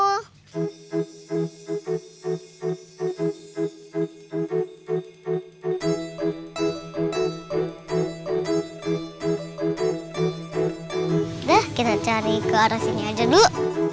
sudah kita cari ke arah sini aja dulu